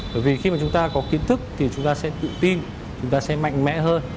bởi vì khi mà chúng ta có kiến thức thì chúng ta sẽ tự tin chúng ta sẽ mạnh mẽ hơn